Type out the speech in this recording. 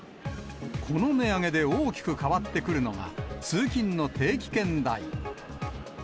この値上げで大きく変わってくるのが、通勤の定期券代。